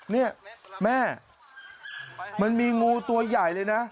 นี่แม่มันมีงูตัวใหญ่เลยนะ